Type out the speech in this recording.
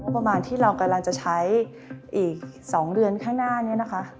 ประมาณที่เรากำลังจะใช้อีก๒เดือนข้างหน้านี้นะคะ